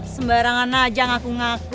sembarangan aja ngaku ngaku